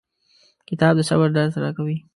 کتاب د صبر درس راکوي.